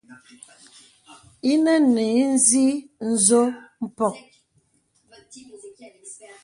Ìnə nə̀ inzì nzo mpɔk.